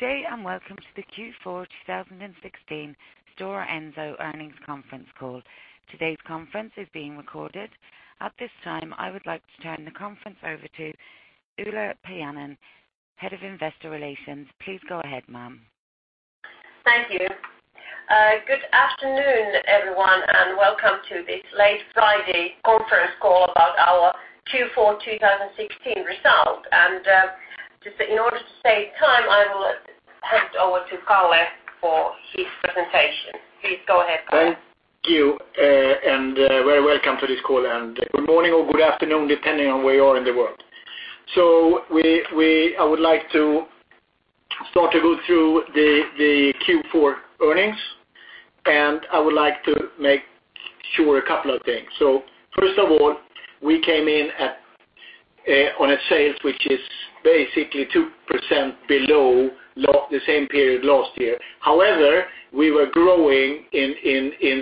Good day. Welcome to the Q4 2016 Stora Enso earnings conference call. Today's conference is being recorded. At this time, I would like to turn the conference over to Ulla Paajanen, Head of Investor Relations. Please go ahead, ma'am. Thank you. Good afternoon, everyone. Welcome to this late Friday conference call about our Q4 2016 result. Just in order to save time, I will hand over to Kalle for his presentation. Please go ahead, Kalle. Thank you. Very welcome to this call. Good morning or good afternoon, depending on where you are in the world. I would like to start to go through the Q4 earnings. I would like to make sure a couple of things. First of all, we came in on a sale, which is basically 2% below the same period last year. However, we were growing in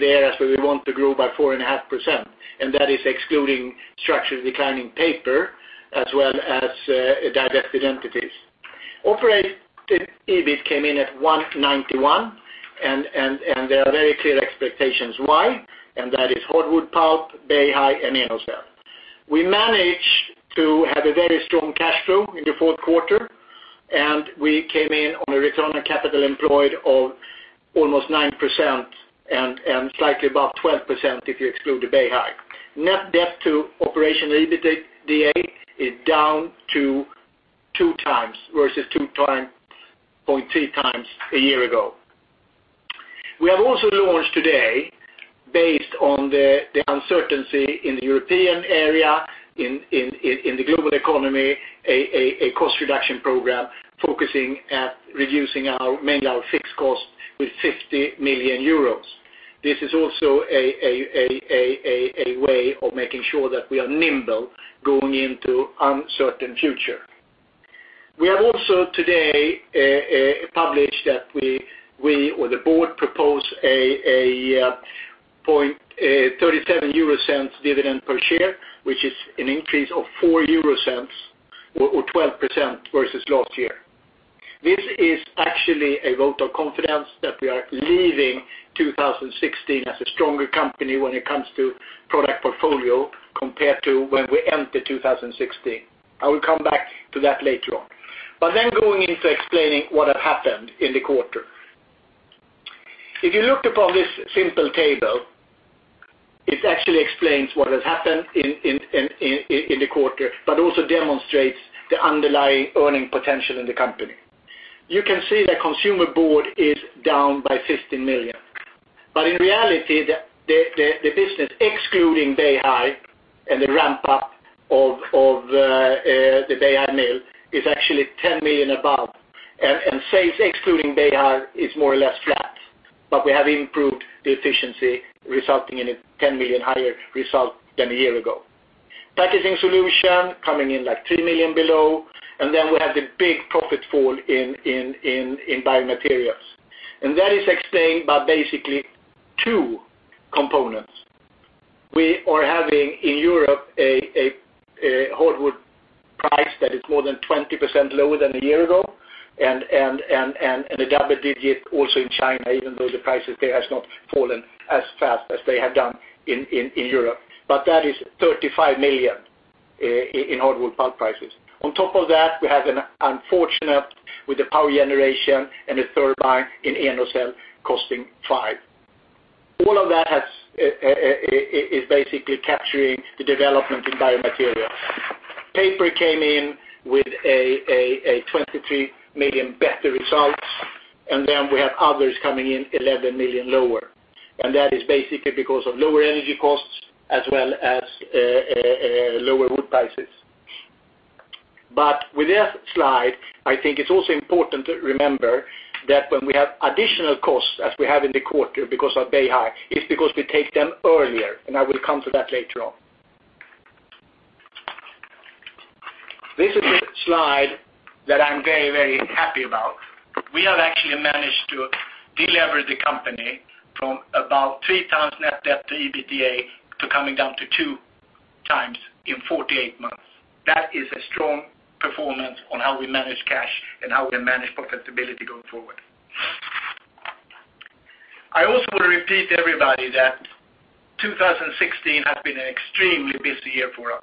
the areas where we want to grow by 4.5%, and that is excluding structured declining Paper as well as divested entities. Operating EBIT came in at 191. There are very clear expectations why, and that is hardwood pulp, Beihai, and Enocell. We managed to have a very strong cash flow in the fourth quarter, and we came in on a return on capital employed of almost 9% and slightly above 12% if you exclude the Beihai. Net debt to operational EBITDA is down to two times versus 2.3 times a year ago. We have also launched today, based on the uncertainty in the European area, in the global economy, a cost reduction program focusing at reducing our mainly our fixed cost with 50 million euros. This is also a way of making sure that we are nimble going into uncertain future. We have also today, published that we or the board propose a 0.37 dividend per share, which is an increase of 4 euro or 12% versus last year. This is actually a vote of confidence that we are leaving 2016 as a stronger company when it comes to product portfolio compared to when we entered 2016. I will come back to that later on. Going into explaining what have happened in the quarter. If you looked upon this simple table, it actually explains what has happened in the quarter, but also demonstrates the underlying earning potential in the company. You can see that Consumer Board is down by 15 million. In reality, the business excluding Beihai and the ramp-up of the Beihai mill is actually 10 million above. Sales, excluding Beihai, is more or less flat. We have improved the efficiency, resulting in a 10 million higher result than a year ago. Packaging Solutions coming in like 3 million below. Then we have the big profit fall in Biomaterials. That is explained by basically two components. We are having in Europe a hardwood pulp price that is more than 20% lower than a year ago, and a double-digit also in China, even though the prices there has not fallen as fast as they have done in Europe. That is 35 million in hardwood pulp prices. On top of that, we have an unfortunate with the power generation and the turbine in Enocell costing 5 million. All of that is basically capturing the development in Biomaterials. Paper came in with a 23 million better results. We have others coming in 11 million lower. That is basically because of lower energy costs as well as lower wood prices. With that slide, I think it's also important to remember that when we have additional costs, as we have in the quarter because of Beihai, it's because we take them earlier, and I will come to that later on. This is the slide that I'm very, very happy about. We have actually managed to delever the company from about 3 times net debt to EBITDA to coming down to 2 times in 48 months. That is a strong performance on how we manage cash and how we manage profitability going forward. I also want to repeat to everybody that 2016 has been an extremely busy year for us.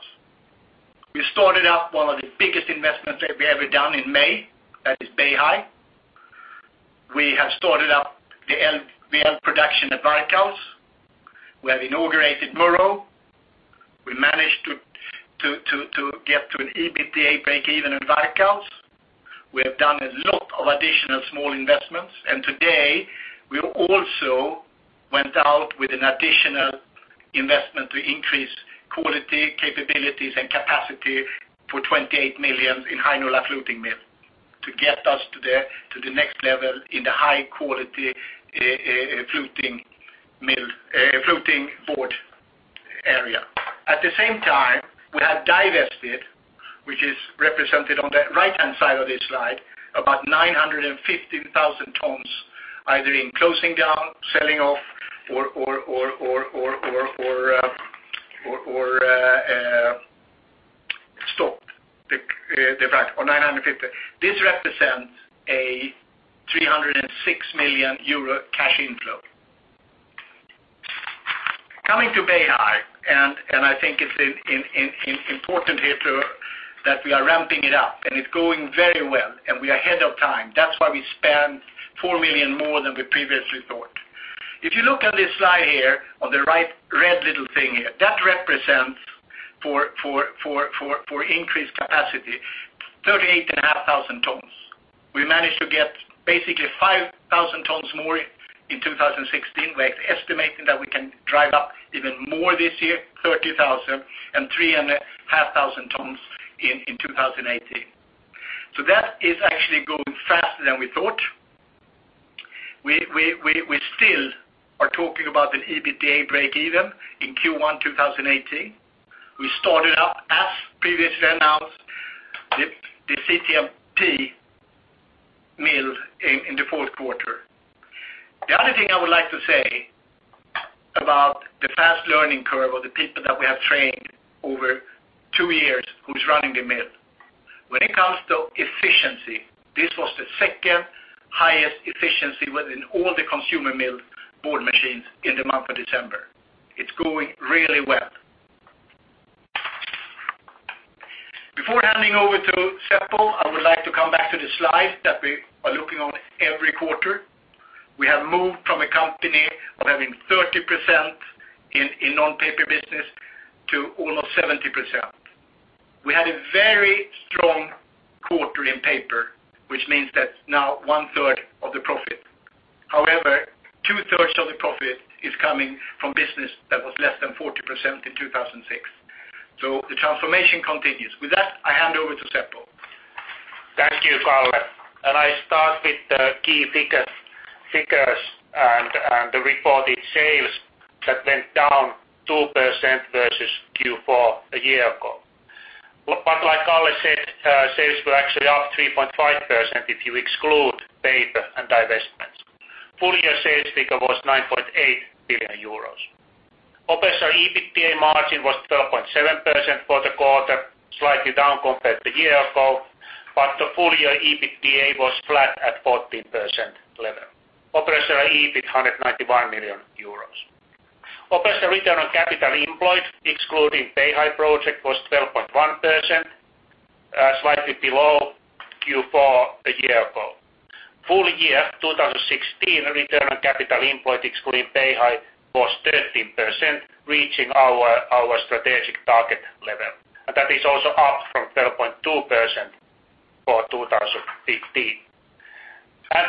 We started up one of the biggest investments that we've ever done in May. That is Beihai. We have started up the LVL production at Varkaus. We have inaugurated Murów. We managed to get to an EBITDA breakeven at Varkaus. We have done a lot of additional small investments. Today we also went out with an additional investment to increase quality, capabilities, and capacity for 28 million in Heinola Fluting Mill to get us to the next level in the high-quality fluting area. At the same time, we have divested, which is represented on the right-hand side of this slide, about 915,000 tons, either in closing down, selling off or stopped the fact on 950. This represents a 306 million euro cash inflow. Coming to Beihai, I think it's important here that we are ramping it up and it's going very well and we are ahead of time. That's why we spent 4 million more than we previously thought. If you look at this slide here on the right red little thing here, that represents for increased capacity, 38,500 tons. We managed to get basically 5,000 tons more in 2016. We're estimating that we can drive up even more this year, 30,000 tons and 3,500 tons in 2018. That is actually going faster than we thought. We still are talking about an EBITDA break even in Q1 2018. We started up as previously announced, the CTMP mill in the fourth quarter. The other thing I would like to say about the fast learning curve of the people that we have trained over two years, who's running the mill. When it comes to efficiency, this was the second highest efficiency within all the Consumer Board machines in the month of December. It's going really well. Before handing over to Seppo, I would like to come back to the slide that we are looking on every quarter. We have moved from a company of having 30% in non-paper business to almost 70%. We had a very strong quarter in Paper, which means that's now one third of the profit. However, two-thirds of the profit is coming from business that was less than 40% in 2006. The transformation continues. With that, I hand over to Seppo. Thank you, Kalle. I start with the key figures and the reported sales that went down 2% versus Q4 a year ago. Like Kalle said, sales were actually up 3.5% if you exclude Paper and divestments. Full-year sales figure was 9.8 billion euros. Operational EBITDA margin was 12.7% for the quarter, slightly down compared to a year ago, but the full-year EBITDA was flat at 14% level. Operational EBIT 191 million euros. Operational return on capital employed, excluding Beihai project, was 12.1%, slightly below Q4 a year ago. Full year 2016, return on capital employed, excluding Beihai, was 13%, reaching our strategic target level. That is also up from 12.2% for 2015.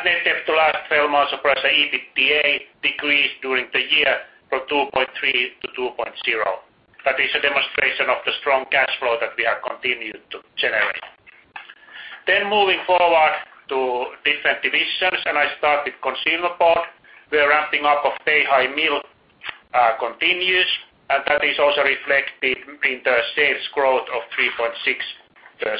Net debt to last 12 months operational EBITDA decreased during the year from 2.3 to 2.0. That is a demonstration of the strong cash flow that we have continued to generate. Moving forward to different divisions, I start with Consumer Board. The ramping up of Beihai mill continues, and that is also reflected in the sales growth of 3.6%.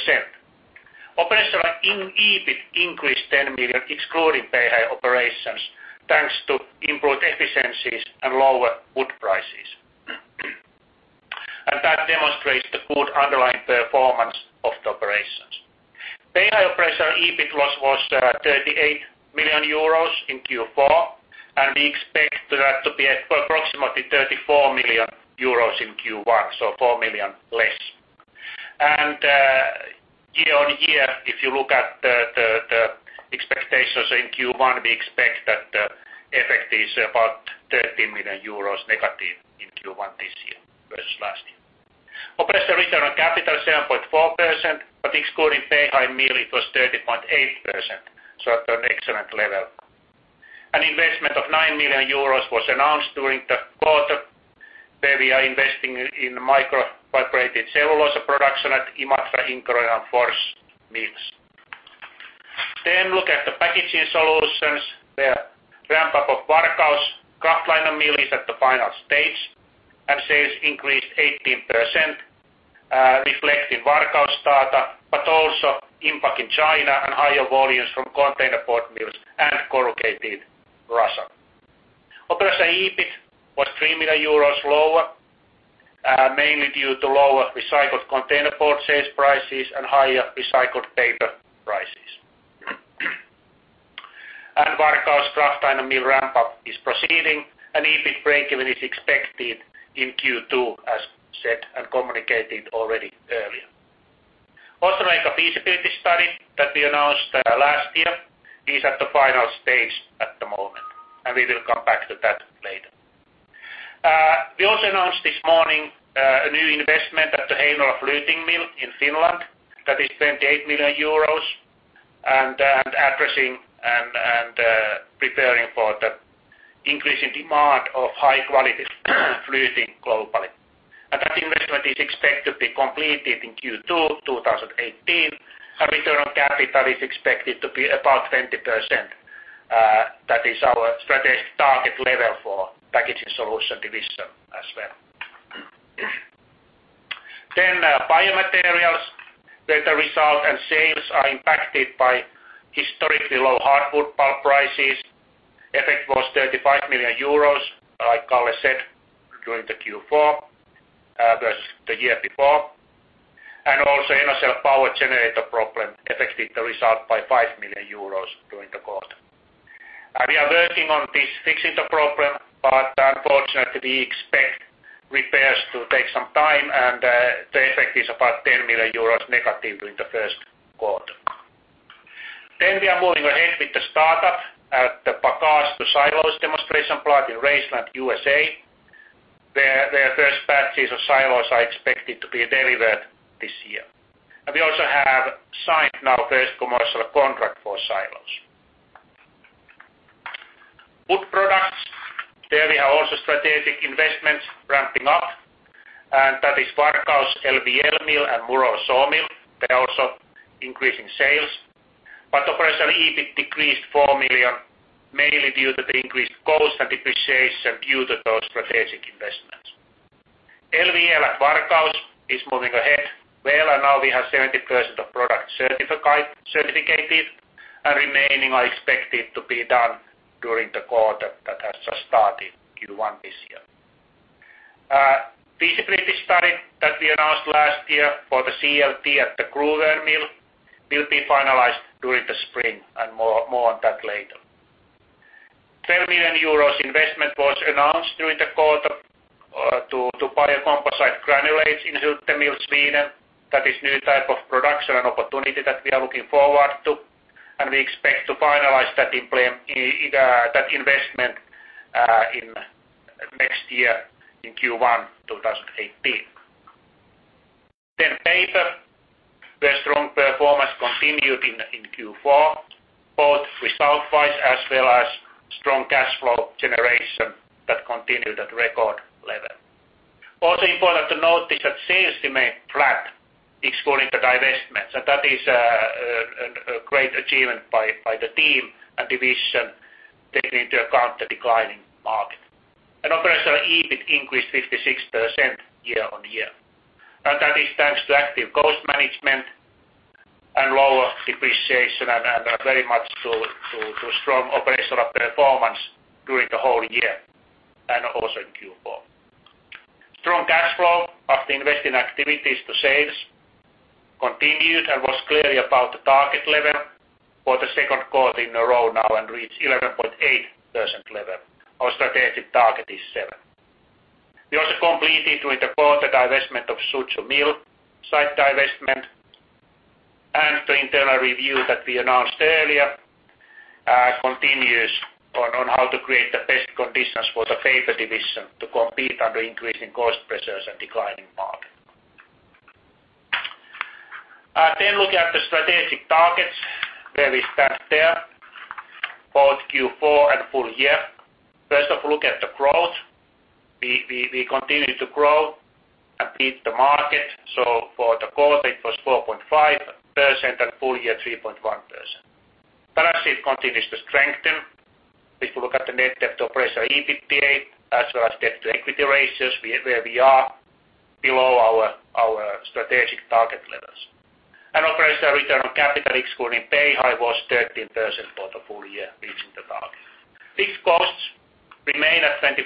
Operational EBIT increased 10 million excluding Beihai operations, thanks to improved efficiencies and lower wood prices. That demonstrates the good underlying performance of the operations. Beihai operational EBIT loss was 38 million euros in Q4, and we expect that to be approximately 34 million euros in Q1, so 4 million less. Year on year, if you look at the expectations in Q1, we expect that the effect is about 13 million euros negative in Q1 this year versus last year. Operational return on capital, 7.4%, but excluding Beihai mill, it was 13.8%, so at an excellent level. An investment of 9 million euros was announced during the quarter, where we are investing in microfibrillated cellulose production at Imatra and Inkeroinen Fors mills. Look at the Packaging Solutions. The ramp-up of Varkaus kraftliner mill is at the final stage and sales increased 18%, reflecting Varkaus data, but also impact in China and higher volumes from containerboard mills and corrugated Russia. Operational EBIT was 3 million euros lower, mainly due to lower recycled containerboard sales prices and higher recycled paper prices. Varkaus kraftliner mill ramp-up is proceeding and EBIT break-even is expected in Q2 as said and communicated already earlier. Also, a feasibility study that we announced last year is at the final stage at the moment, and we will come back to that later. We also announced this morning a new investment at the Heinola Fluting Mill in Finland that is 28 million euros and addressing and preparing for the increasing demand of high quality fluting globally. That investment is expected to be completed in Q2 2018. Our return on capital is expected to be about 20%. That is our strategic target level for Packaging Solutions division as well. Biomaterials. The result and sales are impacted by historically low hardwood pulp prices. Effect was 35 million euros, like Kalle said, during the Q4 versus the year before. Also, Enocell power generator problem affected the result by 5 million euros during the quarter. We are working on this, fixing the problem, but unfortunately, we expect repairs to take some time, and the effect is about 10 million euros negative during the first quarter. We are moving ahead with the start-up at the Bagasse-to-Xylose demonstration plant in Raceland, U.S.A. Their first batches of Xylose are expected to be delivered this year. We also have signed now first commercial contract for Xylose. Wood Products. There we have also strategic investments ramping up, and that is Varkaus LVL mill and Murów Sawmill. They are also increasing sales. Operational EBIT decreased 4 million, mainly due to the increased cost and depreciation due to those strategic investments. LVL at Varkaus is moving ahead well, and now we have 70% of product certificated, and remaining are expected to be done during the quarter that has just started, Q1 this year. Feasibility study that we announced last year for the CLT at the Gruvön mill will be finalized during the spring, and more on that later. 10 million euros investment was announced during the quarter to biocomposite granulates in Skutskär mill, Sweden. That is new type of production and opportunity that we are looking forward to, and we expect to finalize that investment in next year, in Q1 2018. Paper, where strong performance continued in Q4, both result-wise as well as strong cash flow generation that continued at record level. Also important to note is that sales remained flat excluding the divestments. That is a great achievement by the team and division, taking into account the declining market. Operational EBIT increased 56% year-on-year. That is thanks to active cost management and lower depreciation and very much to strong operational performance during the whole year, and also in Q4. Strong cash flow after investing activities to sales continued and was clearly above the target level for the second quarter in a row now and reached 11.8% level. Our strategic target is 7. We also completed during the quarter divestment of Suzhou mill, site divestment, and the internal review that we announced earlier continues on how to create the best conditions for the Paper division to compete under increasing cost pressures and declining market. Look at the strategic targets, where we stand there, both Q4 and full year. First off, look at the growth. We continue to grow and beat the market. For the quarter, it was 4.5% and full year 3.1%. Balance sheet continues to strengthen. If you look at the net debt to operational EBITDA, as well as debt to equity ratios, where we are, below our strategic target levels. Operational return on capital excluding Beihai was 13% for the full year, reaching the target. Fixed costs remain at 25%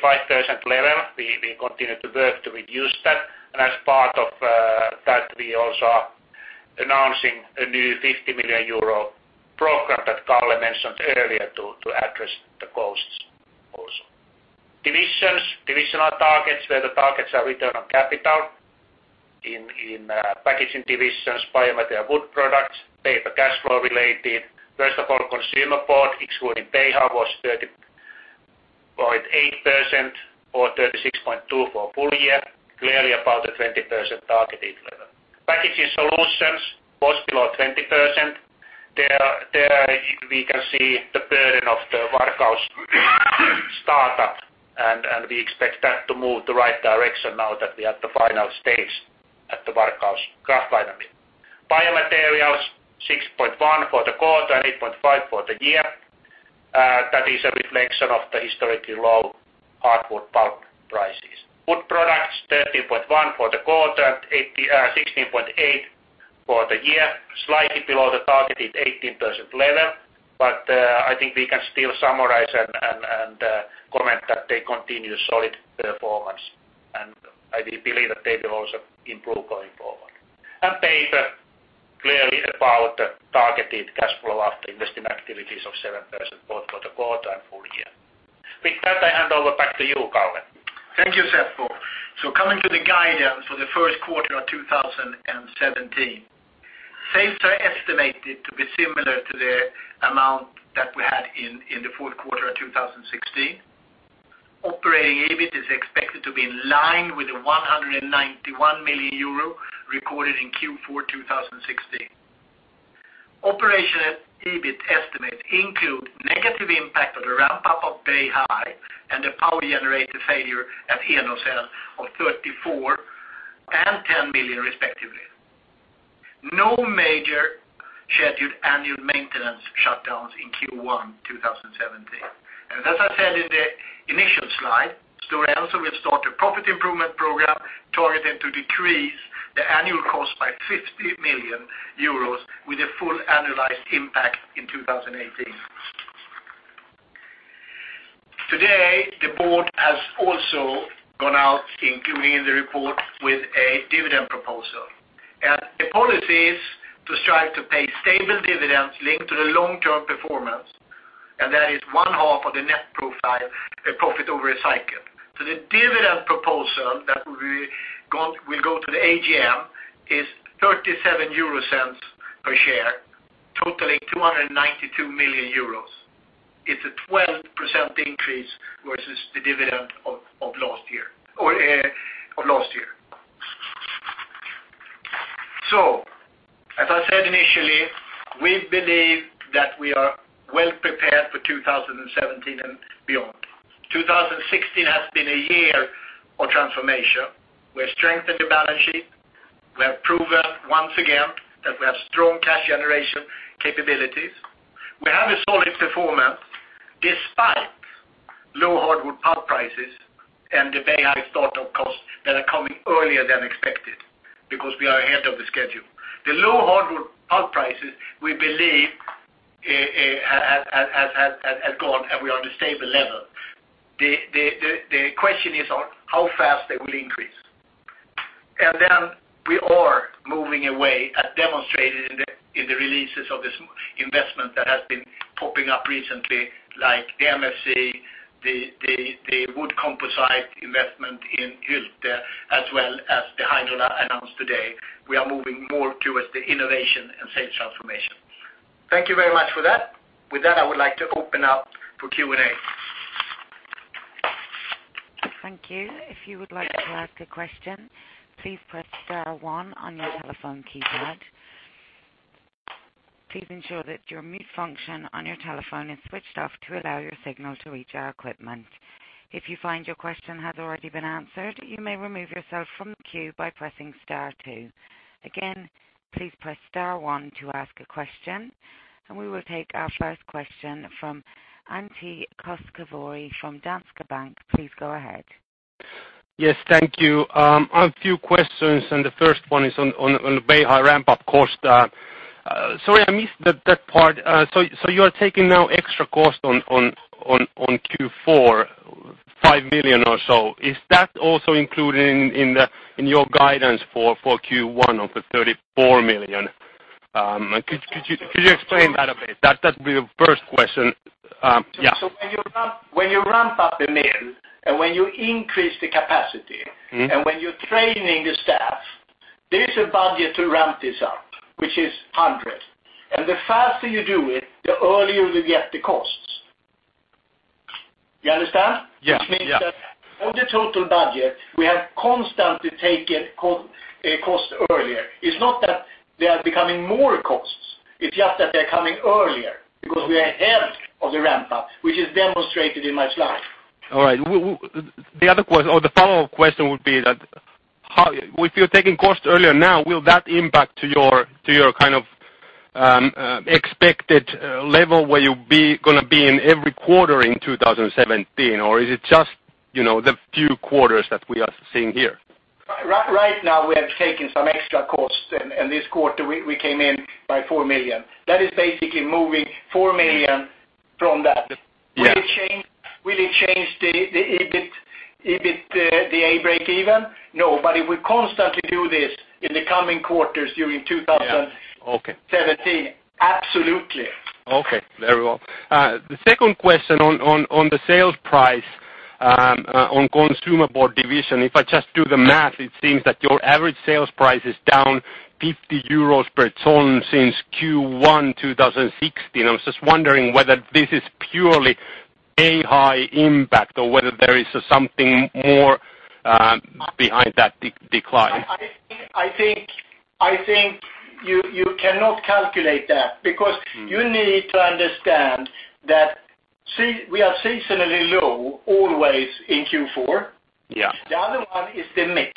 level. We continue to work to reduce that. As part of that, we also are announcing a new 50 million euro program that Kalle mentioned earlier to address the costs also. Divisions, divisional targets, where the targets are return on capital in Packaging Solutions, Biomaterials, Wood Products, Paper, cash flow related. First of all, Consumer Board, excluding Beihai was 30.8% or 36.2% for full year, clearly above the 20% targeted level. Packaging Solutions was below 20%. There we can see the burden of the Varkaus start-up. We expect that to move the right direction now that we are at the final stage at the Varkaus kraftliner mill. Biomaterials, 6.1% for the quarter and 8.5% for the year. That is a reflection of the historically low hardwood pulp prices. Wood Products, 13.1% for the quarter and 16.8% for the year, slightly below the targeted 18% level. I think we can still summarize and comment that they continue solid performance. I believe that they will also improve going forward. Paper, clearly above the targeted cash flow after investing activities of 7%, both for the quarter and full year. With that, I hand over back to you, Kalle. Thank you, Seppo. Coming to the guidance for the first quarter of 2017. Sales are estimated to be similar to the amount that we had in Q4 2016. Operating EBIT is expected to be in line with the 191 million euro recorded in Q4 2016. Operational EBIT estimates include negative impact of the ramp-up of Beihai and the power generator failure at Enocell of 34 million and 7 million respectively. No major scheduled annual maintenance shutdowns in Q1 2017. As I said in the initial slide, Stora Enso will start a profit improvement program targeted to decrease the annual cost by 50 million euros with a full annualized impact in 2018. Today, the board has also gone out, including the report with a dividend proposal. The policy is to strive to pay stable dividends linked to the long-term performance, and that is one half of the net profit over a cycle. The dividend proposal that will go to the AGM is 0.37 per share, totaling 292 million euros. It's a 12% increase versus the dividend of last year. As I said initially, we believe that we are well prepared for 2017 and beyond. 2016 has been a year of transformation. We have strengthened the balance sheet. We have proven once again that we have strong cash generation capabilities. We have a solid performance despite low hardwood pulp prices and the Beihai start-up costs that are coming earlier than expected because we are ahead of the schedule. The low hardwood pulp prices, we believe, have gone, and we are on the stable level. The question is on how fast they will increase. We are moving away at demonstrating in the releases of this investment that has been popping up recently, like the biocomposite, the wood composite investment in Hylte, as well as the Heinola announced today. We are moving more towards the innovation and sales transformation. Thank you very much for that. With that, I would like to open up for Q&A. Thank you. If you would like to ask a question, please press star one on your telephone keypad. Please ensure that your mute function on your telephone is switched off to allow your signal to reach our equipment. If you find your question has already been answered, you may remove yourself from the queue by pressing star two. Again, please press star one to ask a question. We will take our first question from Antti Koskivuori from Danske Bank. Please go ahead. Yes, thank you. I have a few questions. The first one is on the Beihai ramp-up cost. Sorry, I missed that part. You are taking now extra cost on Q4, 5 million or so. Is that also included in your guidance for Q1 of the 34 million? Could you explain that a bit? That'd be the first question. Yeah. When you ramp up the mill, when you increase the capacity When you're training the staff, there is a budget to ramp this up, which is 100. The faster you do it, the earlier you get the costs. You understand? Yes. Which means that on the total budget, we have constantly taken a cost earlier. It's not that they are becoming more costs, it's just that they're coming earlier because we are ahead of the ramp-up, which is demonstrated in my slide. All right. The other question, or the follow-up question would be that if you're taking costs earlier now, will that impact to your kind of expected level where you going to be in every quarter in 2017? Or is it just the few quarters that we are seeing here? Right now, we have taken some extra costs, this quarter we came in by 4 million. That is basically moving 4 million from that. Yes. Will it change the EBITDA breakeven? No, but if we constantly do this in the coming quarters during 2017. Yeah. Okay. absolutely. Okay. Very well. The second question on the sales price, on Consumer Board division, if I just do the math, it seems that your average sales price is down 50 euros per ton since Q1 2016. I was just wondering whether this is purely Beihai impact or whether there is something more behind that decline. I think you cannot calculate that because you need to understand that we are seasonally low always in Q4. Yeah. The other one is the mix.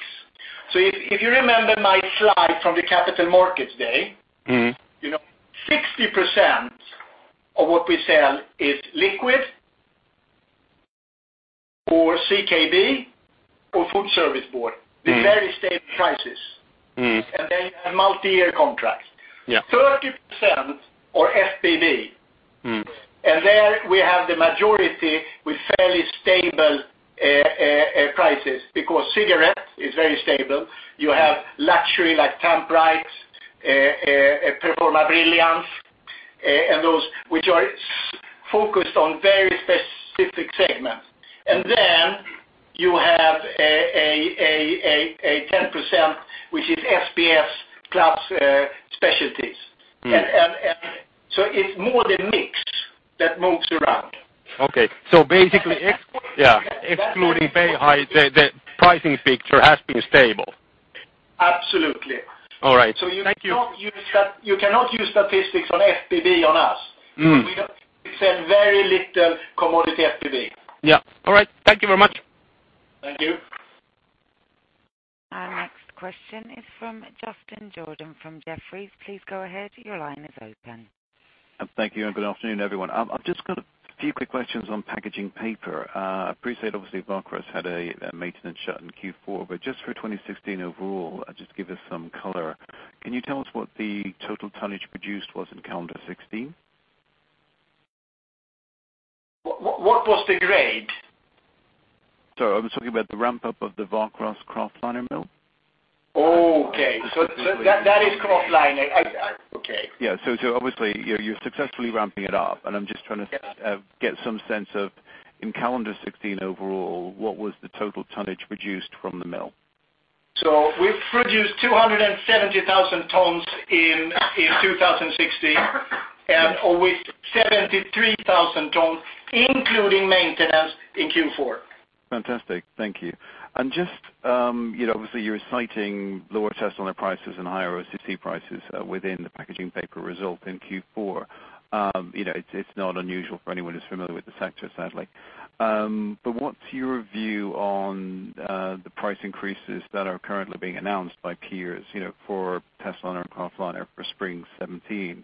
If you remember my slide from the Capital Markets Day. 60% of what we sell is liquid or CKB or food service board. The very stable prices. They have multi-year contracts. Yeah. 30% are FBB. There we have the majority with fairly stable prices because cigarette is very stable. You have luxury like Tambrite, Performa Brilliance, and those which are focused on very specific segments. Then you have a 10%, which is SBS clubs specialties. It's more the mix that moves around. Okay. Basically, yeah, excluding Beihai the pricing picture has been stable. Absolutely. All right. Thank you. You cannot use statistics on FBB on us. We sell very little commodity FBB. Yeah. All right. Thank you very much. Thank you. The question is from Justin Jordan from Jefferies. Please go ahead. Your line is open. Thank you, and good afternoon, everyone. I've just got a few quick questions on packaging paper. Appreciate, obviously, Varkaus had a maintenance shut in Q4, but just for 2016 overall, just give us some color. Can you tell us what the total tonnage produced was in calendar 2016? What was the grade? Sorry, I was talking about the ramp-up of the Varkaus kraftliner mill. Okay. That is kraftliner. Okay. Yeah. Obviously, you're successfully ramping it up. I'm just trying to get some sense of, in calendar 2016 overall, what was the total tonnage produced from the mill? We've produced 270,000 tons in 2016 and with 73,000 tons, including maintenance in Q4. Fantastic. Thank you. Just, obviously you're citing lower testliner prices and higher OCC prices within the Paper result in Q4. It's not unusual for anyone who's familiar with the sector, sadly. What's your view on the price increases that are currently being announced by peers for testliner and kraftliner for spring 2017?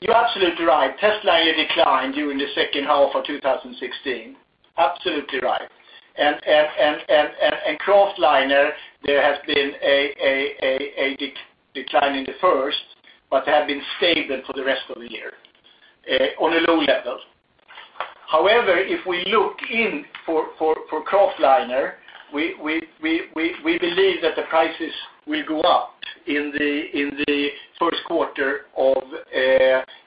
You're absolutely right. Testliner declined during the second half of 2016. Absolutely right. Kraftliner, there has been a decline in the first, but have been stable for the rest of the year on a low level. However, if we look in for kraftliner, we believe that the prices will go up in the first quarter of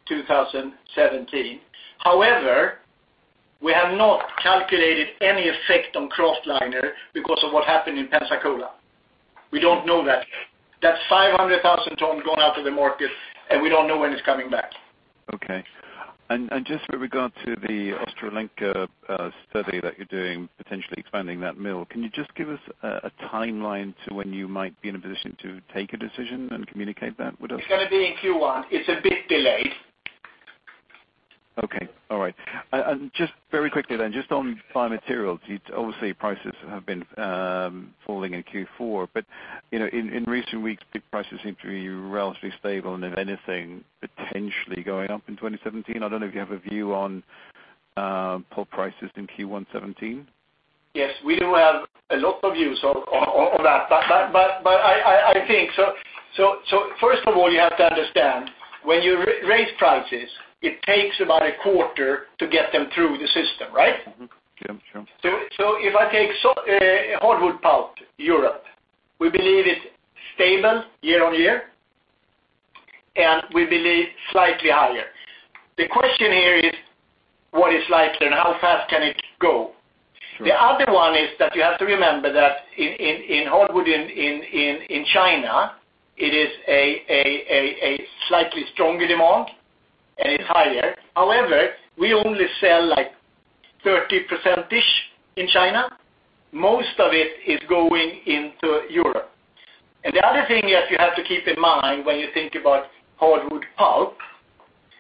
2017. However, we have not calculated any effect on kraftliner because of what happened in Pensacola. We don't know that. That's 500,000 tons gone out of the market, and we don't know when it's coming back. Okay. Just with regard to the Ostrołęka study that you're doing, potentially expanding that mill, can you just give us a timeline to when you might be in a position to take a decision and communicate that with us? It's going to be in Q1. It's a bit delayed. Okay. All right. Just very quickly, just on fine materials, obviously prices have been falling in Q4, in recent weeks, big prices seem to be relatively stable and if anything, potentially going up in 2017. I don't know if you have a view on pulp prices in Q1 2017. Yes, we do have a lot of views on that. I think, first of all, you have to understand, when you raise prices, it takes about a quarter to get them through the system, right? Mm-hmm. Yeah. Sure. If I take hardwood pulp, Europe, we believe it's stable year-over-year, we believe slightly higher. The question here is what is slightly and how fast can it go? Sure. The other one is that you have to remember that in hardwood in China, it is a slightly stronger demand, and it's higher. However, we only sell like 30%-ish in China. Most of it is going into Europe. The other thing is you have to keep in mind when you think about hardwood pulp,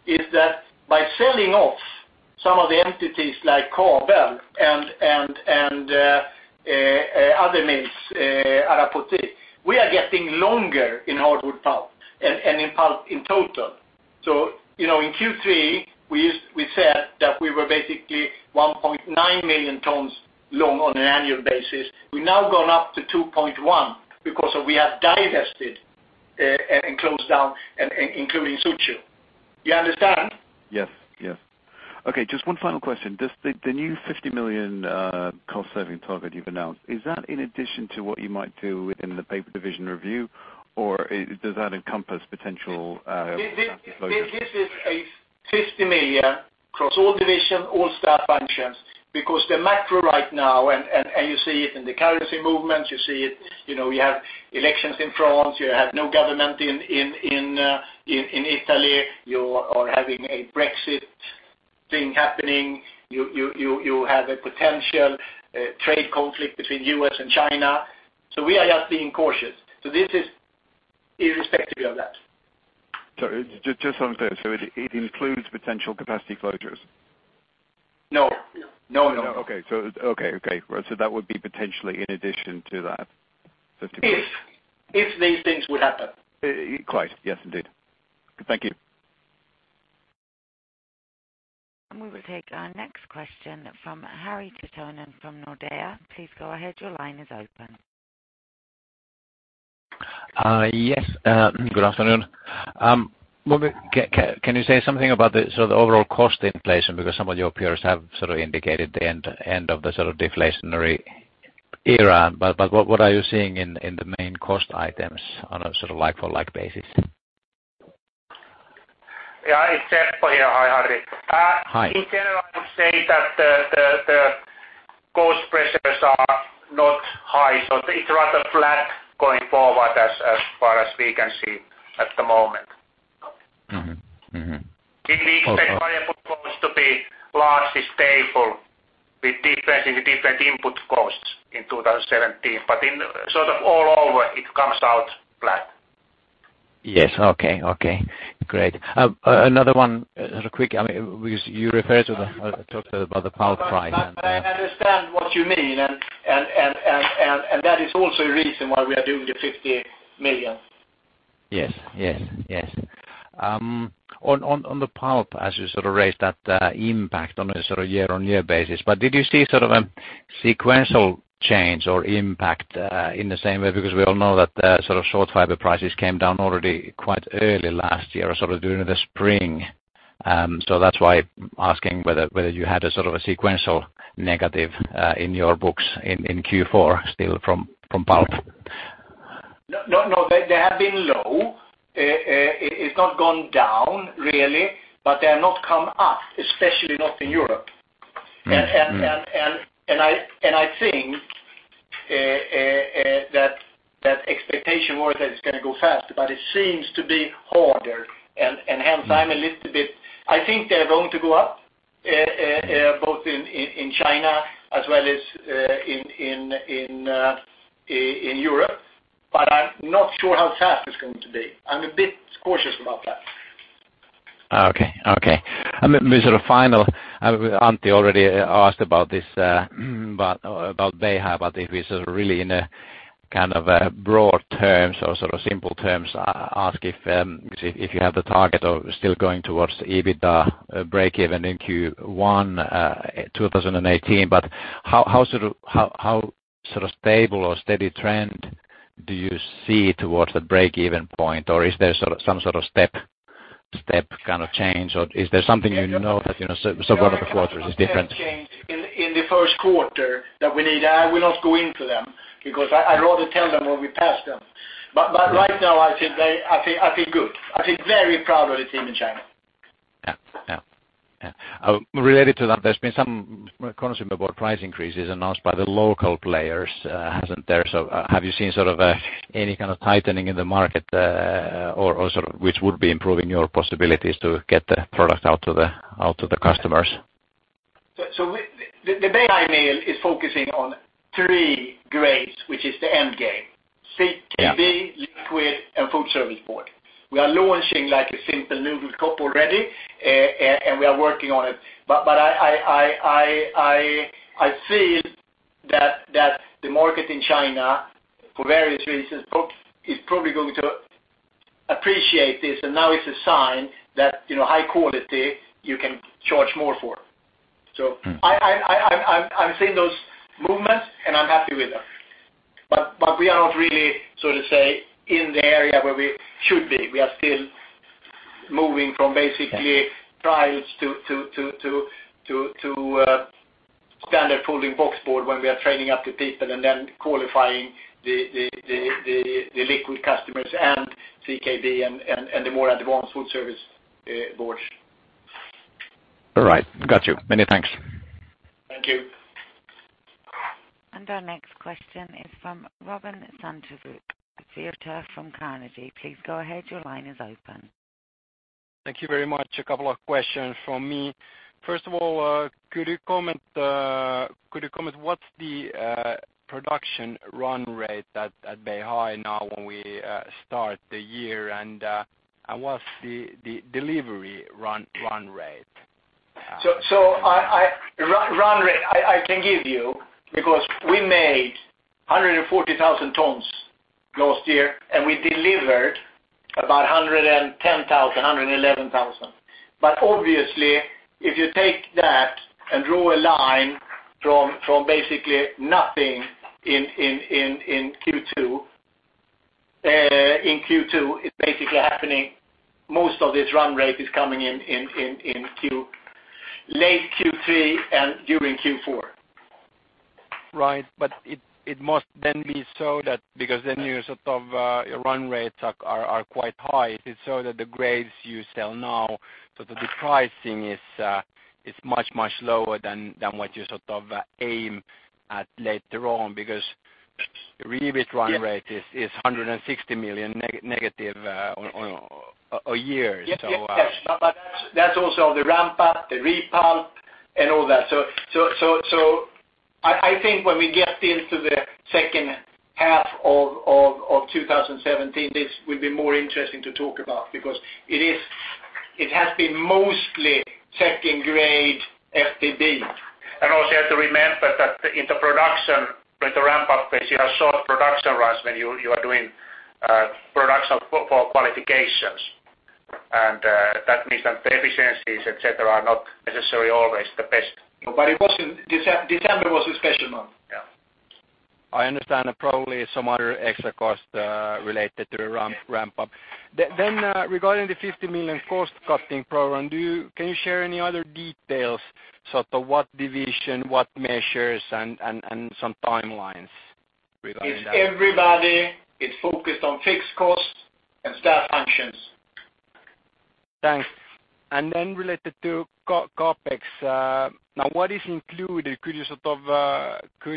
is that by selling off some of the entities like Kabel and other mills, Arapoti, we are getting longer in hardwood pulp and in pulp in total. In Q3, we said that we were basically 1.9 million tons long on an annual basis. We've now gone up to 2.1 because we have divested, and closed down, including Suzhou. You understand? Yes. Okay. Just one final question. The new 50 million cost-saving target you've announced, is that in addition to what you might do within the paper division review, or does that encompass potential closure? This is a EUR 50 million across all division, all staff functions, because the macro right now, and you see it in the currency movement, you see it, you have elections in France, you have no government in Italy, you are having a Brexit thing happening, you have a potential trade conflict between U.S. and China. We are just being cautious. This is irrespective of that. Sorry, just on there, it includes potential capacity closures? No. Okay. That would be potentially in addition to that EUR 50 million. If these things would happen. Quite. Yes, indeed. Thank you. We will take our next question from Harri Taittonen from Nordea. Please go ahead. Your line is open. Yes, good afternoon. Can you say something about the sort of overall cost inflation? Some of your peers have sort of indicated the end of the sort of deflationary era. What are you seeing in the main cost items on a sort of like for like basis? Yeah, it's Seppo here. Hi, Harri. Hi. In general, I would say that the cost pressures are not high. It's rather flat going forward as far as we can see at the moment. Okay. We expect variable costs to be largely stable with different input costs in 2017, but in sort of all over, it comes out flat. Yes. Okay, great. Another one, sort of quick. You talked about the pulp price and- I understand what you mean and that is also a reason why we are doing the 50 million. Yes. On the pulp, as you sort of raised that impact on a sort of year-on-year basis, but did you see sort of a sequential change or impact in the same way? Because we all know that sort of short fiber prices came down already quite early last year, sort of during the spring. That's why asking whether you had a sort of sequential negative in your books in Q4 still from pulp. No. They have been low. It is not gone down really, but they have not come up, especially not in Europe. I think that expectation was that it is going to go faster, but it seems to be harder, hence I think they are going to go up, both in China as well as in Europe, I am not sure how fast it is going to be. I am a bit cautious about that. Okay. Then the sort of final, Antti already asked about this, about Beihai, but if it is really in a kind of broad terms or sort of simple terms, ask if you have the target of still going towards the EBITDA breakeven in Q1 2018. How sort of stable or steady trend do you see towards the breakeven point? Is there some sort of step kind of change, or is there something you know that sort of one of the quarters is different? Step change in the first quarter that we need. I will not go into them because I would rather tell them when we pass them. Right now I feel good. I feel very proud of the team in China. Related to that, there's been some concern about price increases announced by the local players, hasn't there? Have you seen sort of any kind of tightening in the market, or sort of which would be improving your possibilities to get the product out to the customers? The Beihai mill is focusing on three grades, which is the end game. CKB- Yeah. Liquid and food service board. We are launching like a simple noodle cup already, and we are working on it. I feel that the market in China, for various reasons, is probably going to appreciate this and now it's a sign that high quality you can charge more for. I'm seeing those movements, and I'm happy with them. We are not really, so to say, in the area where we should be. We are still moving from basically trials to standard folding boxboard when we are training up the people and then qualifying the liquid customers and CKB and the more advanced food service boards. All right. Got you. Many thanks. Thank you. Our next question is from Robin Santavirta from Carnegie. Please go ahead. Your line is open. Thank you very much. A couple of questions from me. First of all, could you comment what's the production run rate at Beihai now when we start the year and what's the delivery run rate? Run rate, I can give you because we made 140,000 tons last year, and we delivered about 110,000, 111,000. Obviously if you take that and draw a line from basically nothing in Q2, it's basically happening most of this run rate is coming in late Q3 and during Q4. Right. It must then be so that because then your sort of run rates are quite high, if it's so that the grades you sell now sort of the pricing is much, much lower than what you sort of aim at later on because your EBIT run rate is 160 million negative a year. Yes. That's also the ramp up, the repulp and all that. I think when we get into the second half of 2017 this will be more interesting to talk about because it has been mostly checking grade FBB. Also you have to remember that in the production with the ramp up, you have short production runs when you are doing production for qualifications. That means that the efficiencies, et cetera, are not necessarily always the best. December was a special month. Yeah. I understand and probably some other extra cost related to the ramp up. Regarding the 50 million cost-cutting program, can you share any other details, sort of what division, what measures and some timelines regarding that? It's everybody. It's focused on fixed costs and staff functions. Thanks. Related to CapEx, now what is included? Could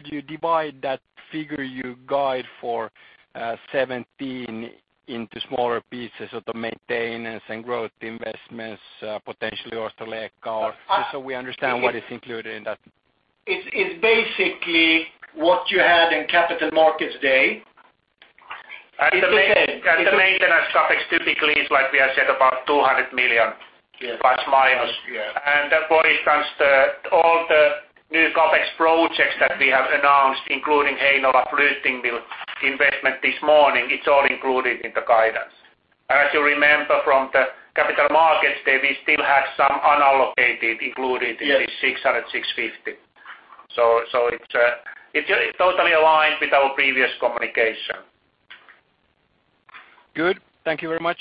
you divide that figure you guide for 2017 into smaller pieces of the maintenance and growth investments potentially also Larsson, just so we understand what is included in that? It's basically what you had in Capital Markets Day. The maintenance CapEx typically is, like we have said, about 200 million. Yes. Plus, minus. Yes. That, for instance, all the new CapEx projects that we have announced, including Heinola Fluting Mill investment this morning, it's all included in the guidance. As you remember from the Capital Markets Day, we still have some unallocated included. Yes in this 600 million, 650 million. It's totally aligned with our previous communication. Good. Thank you very much.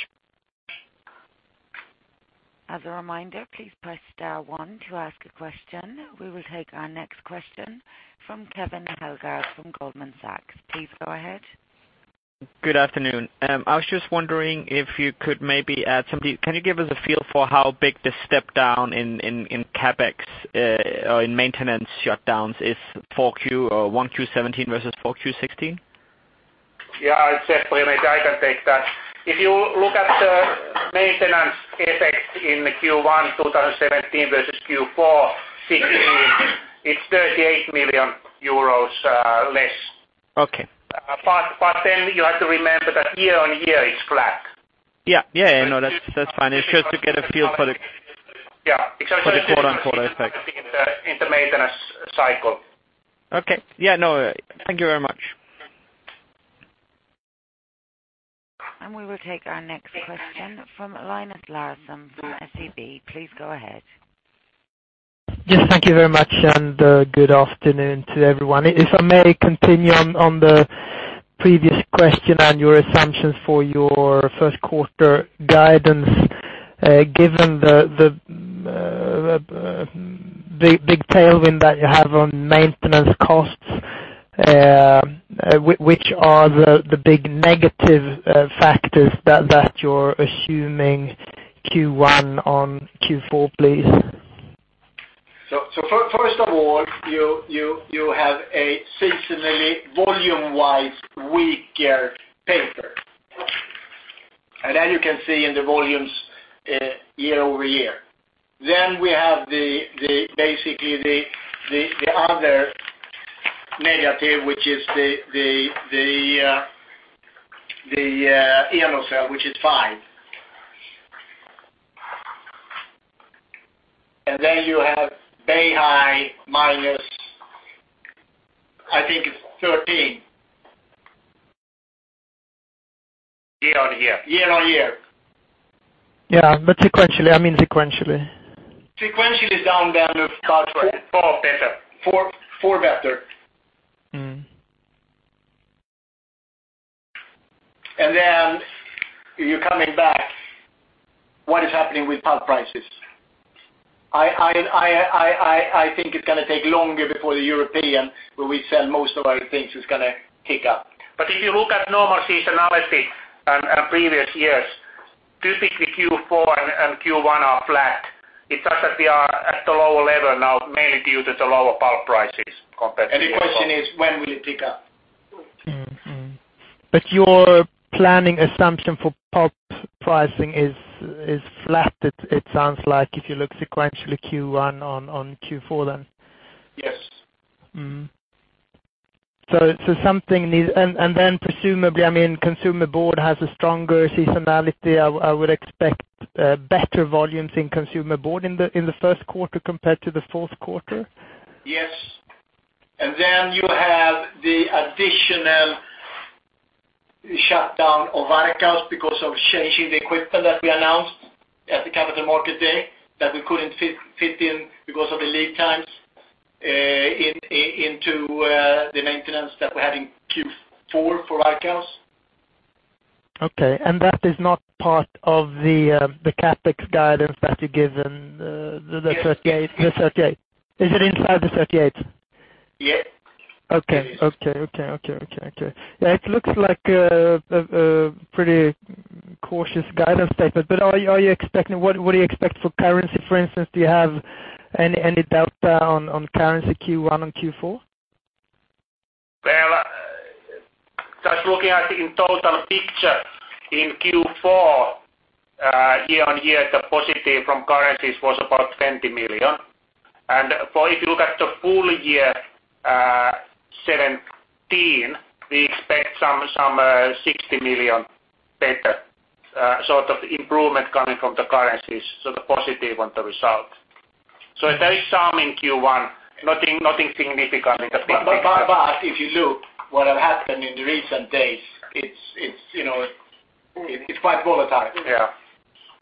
As a reminder, please press star one to ask a question. We will take our next question from Kevin Hellgardt from Goldman Sachs. Please go ahead. Good afternoon. I was just wondering if you could maybe add something. Can you give us a feel for how big the step down in Capex or in maintenance shutdowns is Q1 2017 versus Q4 2016? Yeah, it's Seppo. Maybe I can take that. If you look at the maintenance effect in Q1 2017 versus Q4 2016, it's 38 million euros less. Okay. you have to remember that year-over-year, it's flat. No, that's fine. It's just to get a feel for the Yeah. For the quarter-over-quarter effect. In the maintenance cycle. Okay. Yeah, no, thank you very much. We will take our next question from Linus Larsson from SEB. Please go ahead. Yes, thank you very much, and good afternoon to everyone. If I may continue on the previous question on your assumptions for your first quarter guidance. Given the big tailwind that you have on maintenance costs, which are the big negative factors that you're assuming Q1 on Q4, please? First of all, you have a seasonally volume-wise weaker paper. You can see in the volumes year-over-year. We have basically the other negative, which is the Enocell, which is five. You have Beihai minus, I think it's 13. Year-on-year. Yeah. I mean sequentially. Sequentially down with Cartwright. Four better. Four better. Then you're coming back, what is happening with pulp prices? I think it's going to take longer before the European, where we sell most of our things, is going to pick up. If you look at normal seasonality and previous years, typically Q4 and Q1 are flat. It's just that we are at a lower level now, mainly due to the lower pulp prices compared to year-over-year. The question is, when will it pick up? Your planning assumption for pulp pricing is flat, it sounds like, if you look sequentially Q1 on Q4, then? Yes. Mm-hmm. Then presumably, Consumer Board has a stronger seasonality. I would expect better volumes in Consumer Board in the first quarter compared to the fourth quarter? Yes. Then you have the additional shutdown of Varkaus because of changing the equipment that we announced at the Capital Markets Day, that we couldn't fit in because of the lead times into the maintenance that we had in Q4 for Varkaus. Okay, that is not part of the CapEx guidance that you gave in the 38? Yes. Is it inside the 38? Yes. Okay. Yeah, it looks like a pretty cautious guidance statement. What do you expect for currency, for instance? Do you have any delta on currency Q1 on Q4? Well, just looking at in total picture in Q4, year-over-year, the positive from currencies was about 20 million. If you look at the full year 2017, we expect some 60 million better improvement coming from the currencies. The positive on the result. There is some in Q1, nothing significant in the big picture. If you look what have happened in the recent days, it's quite volatile. Yeah.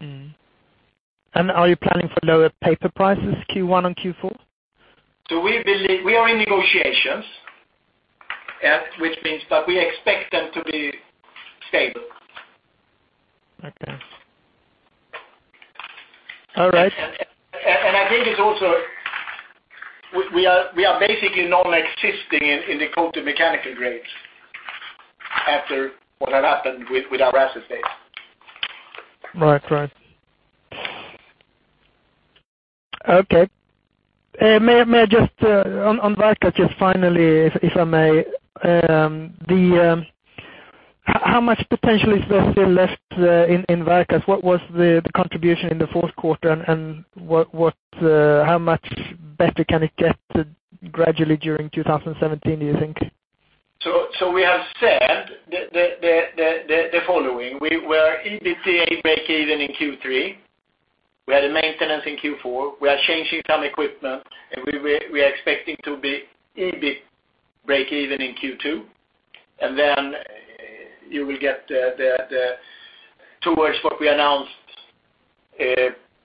Mm-hmm. Are you planning for lower paper prices Q1 on Q4? We are in negotiations. Which means that we expect them to be stable. Okay. All right. I think it's also we are basically non-existing in the coated mechanical grades after what have happened with our asset base. Right. Okay. On Varkaus, just finally, if I may. How much potential is there still left in Varkaus? What was the contribution in the fourth quarter, and how much better can it get gradually during 2017, do you think? We have said the following. We were EBITDA breakeven in Q3. We had a maintenance in Q4. We are changing some equipment, and we are expecting to be EBIT breakeven in Q2. You will get towards what we announced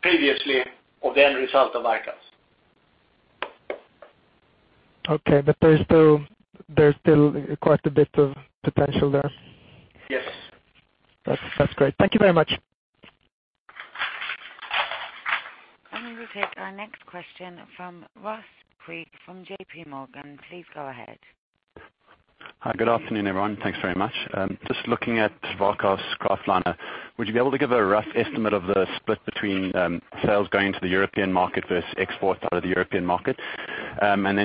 previously of the end result of Varkaus. Okay. There's still quite a bit of potential there? Yes. That's great. Thank you very much. We will take our next question from Alexander Kekk from J.P. Morgan. Please go ahead. Hi, good afternoon, everyone. Thanks very much. Just looking at Varkaus kraftliner. Would you be able to give a rough estimate of the split between sales going to the European market versus exports out of the European market?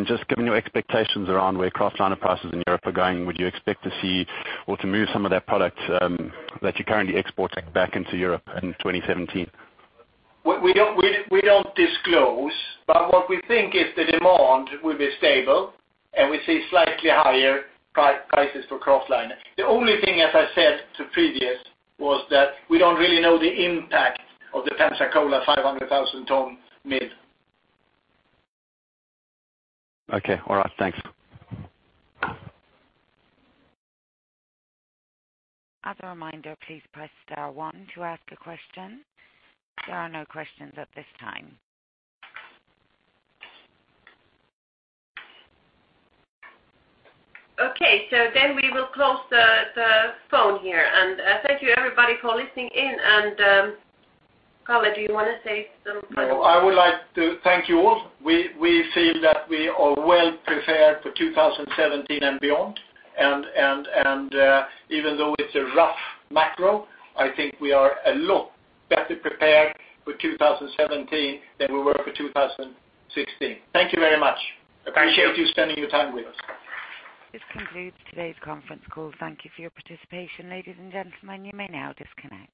Just given your expectations around where kraftliner prices in Europe are going, would you expect to see or to move some of that product that you're currently exporting back into Europe in 2017? We don't disclose, but what we think is the demand will be stable, and we see slightly higher prices for kraftliner. The only thing, as I said to previous, was that we don't really know the impact of the Pensacola 500,000 ton mill. Okay. All right. Thanks. As a reminder, please press star one to ask a question. There are no questions at this time. Okay, we will close the phone here. Thank you, everybody, for listening in. Kalle, do you want to say some final words? No. I would like to thank you all. We feel that we are well prepared for 2017 and beyond. Even though it's a rough macro, I think we are a lot better prepared for 2017 than we were for 2016. Thank you very much. Thank you. Appreciate you spending your time with us. This concludes today's conference call. Thank you for your participation. Ladies and gentlemen, you may now disconnect.